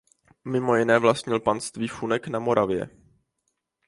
Mimo jiné vlastnil panství Fulnek na Moravě.